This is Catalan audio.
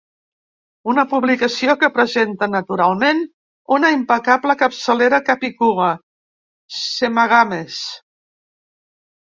Una publicació que presenta, naturalment, una impecable capçalera capicua: "Semagames".